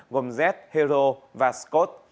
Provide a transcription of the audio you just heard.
gồm z hero và scott